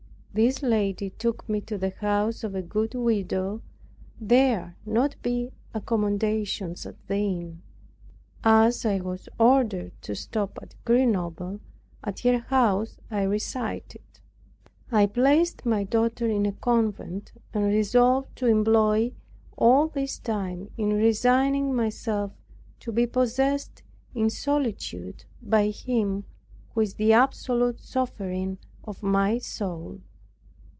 This lady took me to the house of a good widow, there not being accommodations at the inn. As I was ordered to stop at Grenoble, at her house I resided. I placed my daughter in a convent, and resolved to employ all this time in resigning myself to be possessed in solitude by Him who is the absolute Sovereign of my soul.